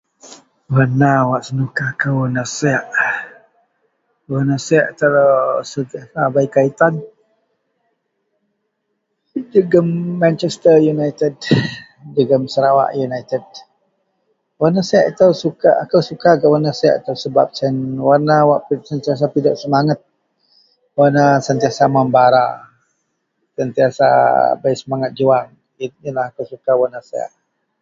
Warna wak senuka kou warna siek warna diek sentiasa bei kaitan jegam manchester united jegam sarawak united. Warna siek ito aku suka gak warna siek sentiasa pidok semangat sentiasa membara. Sentiasa ada semangat juang warna siek.